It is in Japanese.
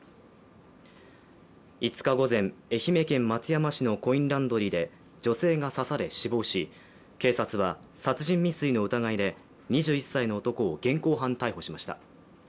５日午前、愛媛県松山市のコインランドリーで女性が刺され死亡し、警察は殺人未遂の疑いで２１歳の男を現行犯逮捕しました。